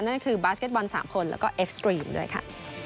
นั่นก็คือบาสเก็ตบอล๓คนแล้วก็เอ็กซ์ตรีมด้วยค่ะ